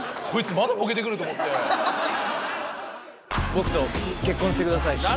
僕と結婚してください。